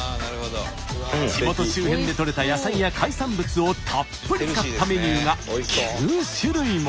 地元周辺でとれた野菜や海産物をたっぷり使ったメニューが９種類も。